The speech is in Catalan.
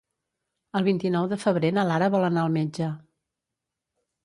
El vint-i-nou de febrer na Lara vol anar al metge.